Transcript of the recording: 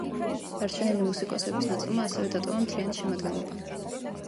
დარჩენილი მუსიკოსების ნაწილმა ასევე დატოვა მთლიანი შემადგენლობა.